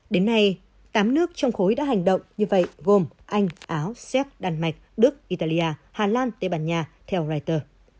đến nay tám nước trong khối đã hành động như vậy gồm anh áo séc đan mạch đức italia hà lan tây ban nha theo reuters